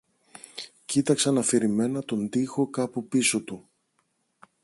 κοίταξαν αφηρημένα τον τοίχο κάπου πίσω του